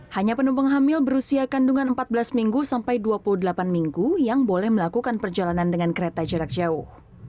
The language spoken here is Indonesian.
hanya penumpang hamil berusia kandungan empat belas minggu sampai dua puluh delapan minggu yang boleh melakukan perjalanan dengan kereta jarak jauh